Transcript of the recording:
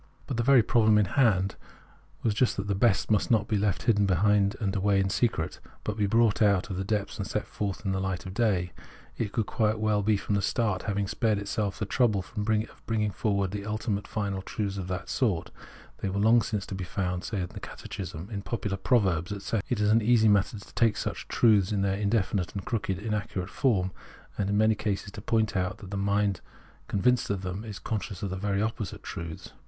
But the very problem in hand was just that the best must not be left behind hidden away in secret, but be brought out of the depths and set forth in the light of day. It could quite well from the start have spared itself this trouble of bringing forward ultimate and final truths of that sort ; they were long since to be found, say, in the Catechism, in popular proverbs, etc. It is an easy matter to take such truths in their indefinite and crooked inaccurate form, and in many cases to point out that the mind convinced of them is conscious of the very opposite truths.